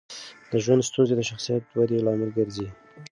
د ژوند ستونزې د شخصیت ودې لامل ګرځي.